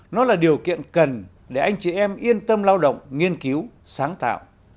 nó là điều kiện cần để anh chị em yên tâm lao động nghiên cứu sáng tạo